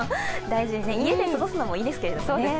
家で過ごすのもいいですけどもね。